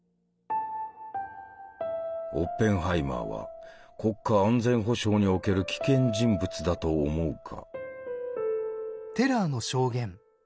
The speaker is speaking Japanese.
「オッペンハイマーは国家安全保障における危険人物だと思うか」。